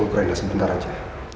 cuma ke rena sebentar aja